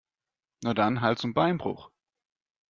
Na dann, Hals- und Beinbruch!